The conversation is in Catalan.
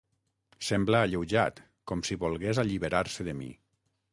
Sembla alleujat, com si volgués alliberar-se de mi.